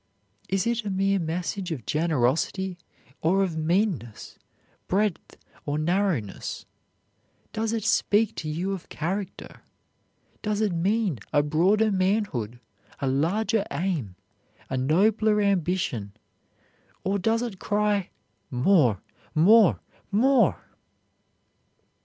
Is it a message of generosity or of meanness, breadth or narrowness? Does it speak to you of character? Does it mean a broader manhood, a larger aim, a nobler ambition, or does it cry, "More, more, more"?